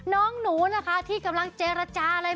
น้องหนูนะคะที่กำลังเจรจาอะไร